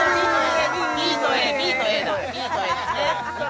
ＢとＡだＢとＡですね